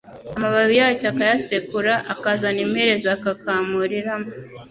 amababi yacyo akayasekura, akazana imperezo agakamuriramo